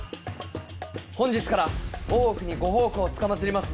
本日から大奥にご奉公つかまつります